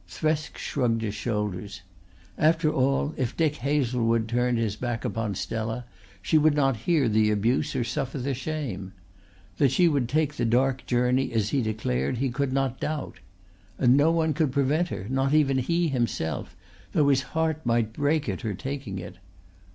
Thresk shrugged his shoulders. After all if Dick Hazlewood turned his back upon Stella she would not hear the abuse or suffer the shame. That she would take the dark journey as she declared he could not doubt. And no one could prevent her not even he himself, though his heart might break at her taking it.